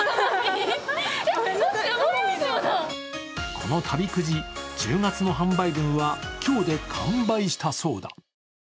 この旅くじ、１０月の販売分は今日で完売したそうだ。